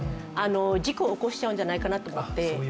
事故を起こしちゃうんじゃないかと思って。